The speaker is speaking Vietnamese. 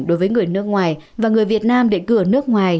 đối với người nước ngoài và người việt nam định cửa nước ngoài